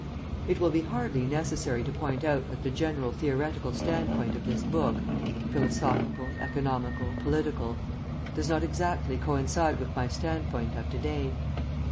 It will be hardly necessary to point out that the general theoretical standpoint of this book philosophical, economical, political does not exactly coincide with my standpoint of to day.